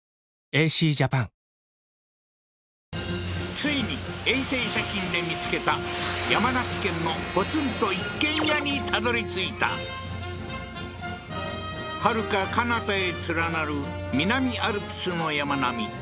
ついに衛星写真で見つけた山梨県のはるかかなたへ連なる南アルプスの山並み